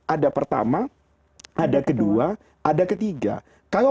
ada pertama ada kedua ada ketiga kalau